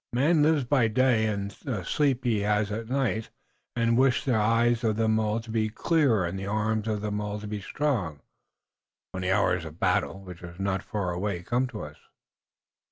Man lives by day in the sleep that he has at night, and we wish the eyes of them all to be clear and the arms of them all to be strong, when the hour of battle, which is not far away, comes to us."